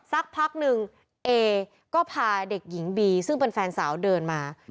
สักพักหนึ่งเอก็พาเด็กหญิงบีซึ่งเป็นแฟนสาวเดินมา